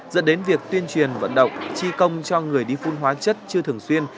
dẫn đến việc tuyên truyền vận động tri công cho người đi phun hóa chất chưa thường xuyên